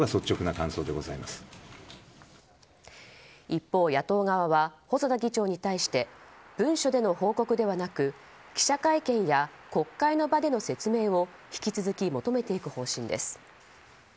一方、野党側は細田議長に対して文書での報告ではなく記者会見や国会の場での説明を引き続き求めていく方針です。